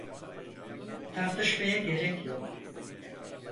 Tartışmaya gerek yok.